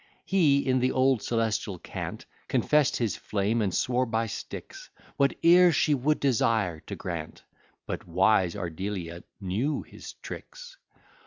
He, in the old celestial cant, Confess'd his flame, and swore by Styx, Whate'er she would desire, to grant But wise Ardelia knew his tricks.